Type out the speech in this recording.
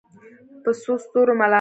په څو ستورو ملامته